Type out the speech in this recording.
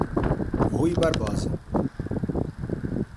Ruy Barbosa